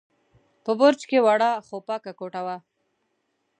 په برج کې وړه، خو پاکه کوټه وه.